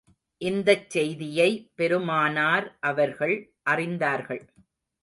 இந்தச் செய்தியை பெருமானார் அவர்கள் அறிந்தார்கள்.